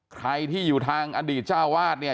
ใครที่อยู่ทางอดีตเจ้าวาดเนี่ย